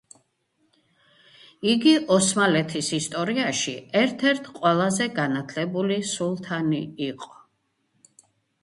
იგი ოსმალეთის ისტორიაში ერთ-ერთ ყველაზე განათლებული სულთანი იყო.